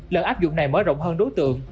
lần áp dụng này mới rộng hơn đối tượng